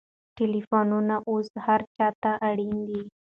ټلېفونونه اوس هر چا ته اړین دي.